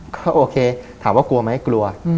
ก็โอเคถามว่ากลัวไหมกลัว